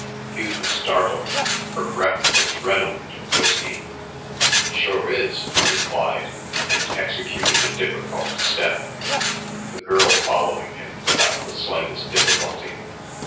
Hugh was startled. Her breath was redolent of whisky. "Sure is," he replied and executed a difficult step, the girl following him without the slightest difficulty.